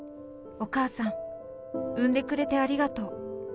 お母さん、産んでくれてありがとう。